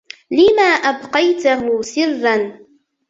لمَ أبقيته سرًّا؟